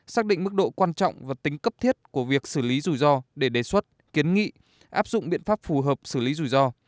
xác định mức độ quan trọng và tính cấp thiết của việc xử lý rủi ro để đề xuất kiến nghị áp dụng biện pháp phù hợp xử lý rủi ro